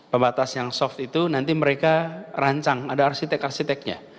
pembatas yang soft itu nanti mereka rancang ada arsitek arsiteknya